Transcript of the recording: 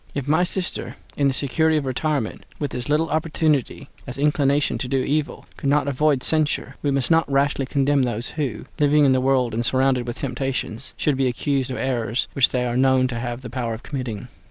If my sister, in the security of retirement, with as little opportunity as inclination to do evil, could not avoid censure, we must not rashly condemn those who, living in the world and surrounded with temptations, should be accused of errors which they are known to have the power of committing.